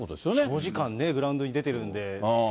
長時間グラウンドに出てるん